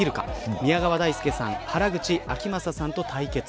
宮川大輔さん原口あきまささんと対決。